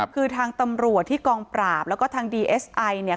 คือทางตำรวจที่กองปราบแล้วก็ทางดีเอสไอเนี่ย